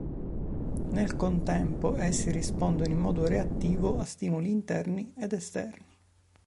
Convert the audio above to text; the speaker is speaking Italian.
Nel contempo essi rispondono in modo reattivo a stimoli interni ed esterni.